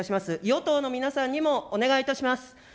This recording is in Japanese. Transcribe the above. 与党の皆さんにもお願いいたします。